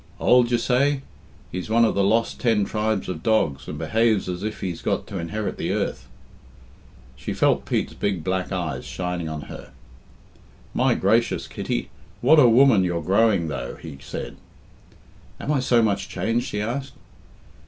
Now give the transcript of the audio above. "Old, d'ye say? He's one of the lost ten tribes of dogs, and behaves as if he'd got to inherit the earth." She felt Pete's big black eyes shining on her. "My gracious, Kitty, what a woman you're growing, though!" he said. "Am I so much changed?" she asked.